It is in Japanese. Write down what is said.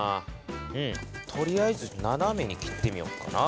うんとりあえずななめに切ってみよっかな。